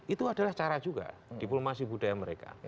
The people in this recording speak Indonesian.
itu adalah cara juga diplomasi budaya mereka